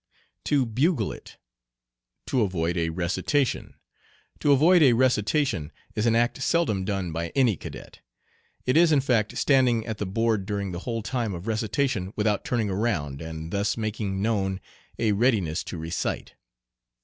"To bugle it." To avoid a recitation. To avoid a recitation is an act seldom done by any cadet. It is in fact standing at the board during the whole time of recitation without turning around, and thus making known a readiness to recite.